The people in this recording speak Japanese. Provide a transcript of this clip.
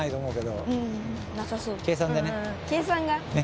計算が？ね。